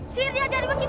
siir dia jadi bekicot